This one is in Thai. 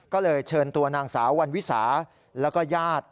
ก็เลยเชิญตัวนางสาววันวิสาแล้วก็ญาติ